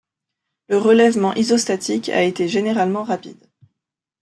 Le relèvement isostatique a été généralement rapide.